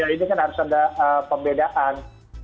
ini kan harus ada pembedaan